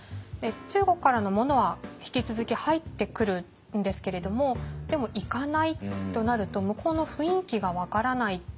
中国からのものは引き続き入ってくるんですけれどもでも行かないとなると向こうの雰囲気が分からない。